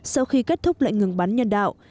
sau khi kết thúc lệnh ngừng bán nhân đạo